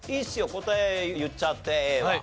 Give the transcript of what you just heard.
答え言っちゃってＡは。